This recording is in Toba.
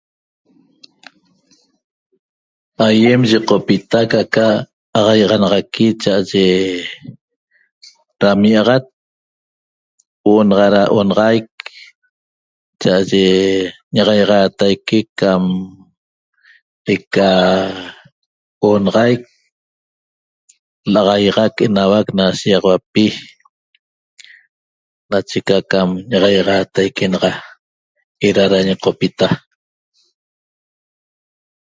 Aiem yoqpita ca aca tahiaxaqui chaaye tamiaxat huoo' na onaxaic chaaye ñaxaguetaque que cam eca onaxaic nahiaxac enauaq na shiguiaxauapi nache eca cam ñahiaxatexa naxa eda da ñoqpita